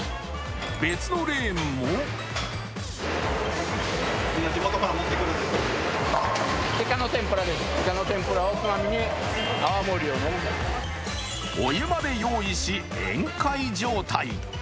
別のレーンもお湯まで用意し宴会状態。